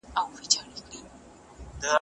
د توليد ظرفيتونه لوړ کړئ.